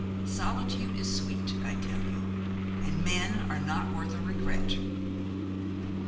Solitude is sweet, I tell you, and men are not worth a regret."